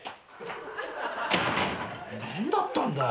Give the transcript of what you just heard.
何だったんだよ。